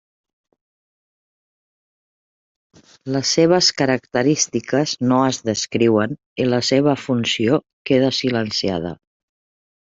Les seves característiques no es descriuen i la seva funció queda silenciada.